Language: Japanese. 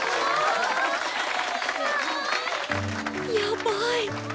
やばい。